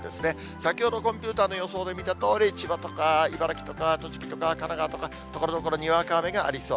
先ほどコンピューターの予想で見たとおり、千葉とか茨城とか栃木とか神奈川とか、ところどころにわか雨がありそう。